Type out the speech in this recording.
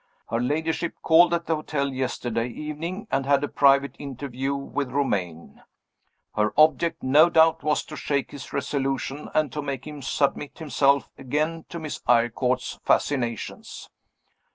Her ladyship called at the hotel yesterday evening, and had a private interview with Romayne. Her object, no doubt, was to shake his resolution, and to make him submit himself again to Miss Eyrecourt's fascinations.